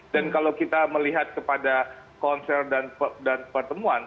dan kalau kita melihat kepada konser dan pertemuan